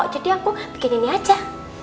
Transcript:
jadi aku bikin ini aja